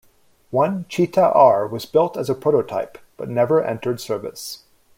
One Cheetah R was built as a prototype but never entered service.